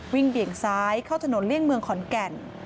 เบี่ยงซ้ายเข้าถนนเลี่ยงเมืองขอนแก่น